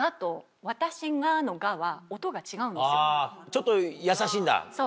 ちょっと優しいんだ。